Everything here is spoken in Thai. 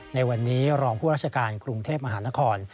ในวันนี้รองผู้ราชการกรุงเทพมหานคร